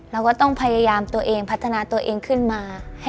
เราก็ต้องพยายามตัวเองพัฒนาตัวเองขึ้นมา